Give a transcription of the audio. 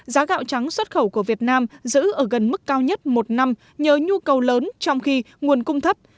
giá gạo trắng xuất khẩu của việt nam giữ ở gần mức cao nhất một năm nhờ nhu cầu lớn trong khi nguồn cung thấp